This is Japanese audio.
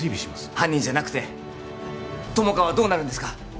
犯人じゃなくて友果はどうなるんですか？